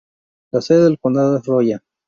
La sede del condado es Rolla.